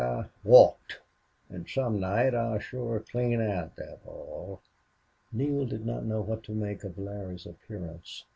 I walked. An' some night I'll shore clean out thet hall." Neale did not know what to make of Larry's appearance.